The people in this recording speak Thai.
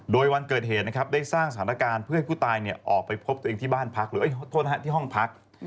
โดยวันเกิดเหตุได้สร้างสถานการณ์เพื่อให้ผู้ตายออกไปพบตัวเองที่ห้องพัก